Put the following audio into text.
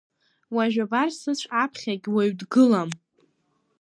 Уажә абар сыцә аԥхьагь уаҩ дгылам.